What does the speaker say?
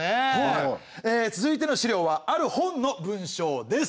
続いての資料はある本の文章です。